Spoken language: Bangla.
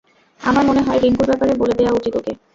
আমার মনে হয় রিংকুর ব্যাপারে বলে দেয়া উচিত ওকে।